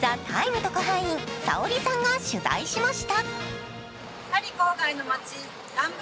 特派員Ｓａｏｒｉさんが取材しました。